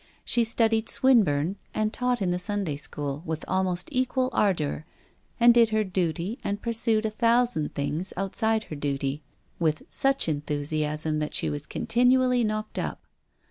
She studied Swin burne and taught in the Sunday school with al most equal ardour, and did her duty and pursued a thousand things outside of her duty with such enthusiasm that she was continually knocked up.